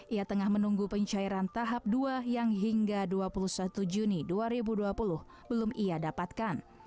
ia tengah menunggu pencairan tahap dua yang hingga dua puluh satu juni dua ribu dua puluh belum ia dapatkan